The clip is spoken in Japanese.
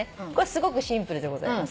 すごくシンプルでございます。